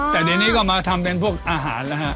แต่เดี๋ยวนี้ก็มาทำเป็นพวกอาหารแล้วฮะ